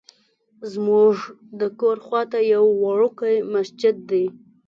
زمونږ د کور خواته یو وړوکی مسجد دی.